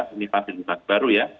ini fasilitas baru ya